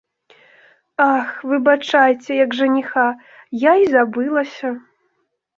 Ах, выбачайце, як жаніха, я і забылася!